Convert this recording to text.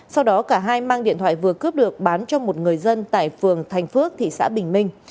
sau đó cả hai mang điện thoại vừa cướp được bán cho một người dân tại phường thành phước thị xã bình minh